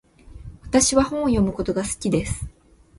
私は本を読むことが好きです。